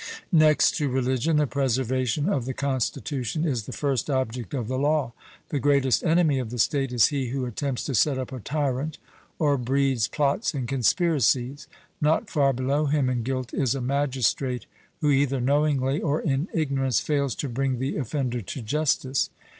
Next to religion, the preservation of the constitution is the first object of the law. The greatest enemy of the state is he who attempts to set up a tyrant, or breeds plots and conspiracies; not far below him in guilt is a magistrate who either knowingly, or in ignorance, fails to bring the offender to justice.